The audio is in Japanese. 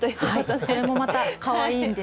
それもまたかわいいんです。